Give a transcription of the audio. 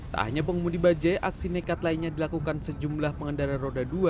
tak hanya pengemudi bajai aksi nekat lainnya dilakukan sejumlah pengendara roda dua